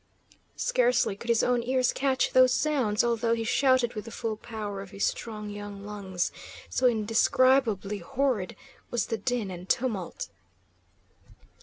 Scarcely could his own ears catch those sounds, although he shouted with the full power of his strong young lungs, so indescribably horrid was the din and tumult.